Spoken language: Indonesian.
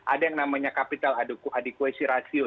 ada yang namanya kapital adequacy ratio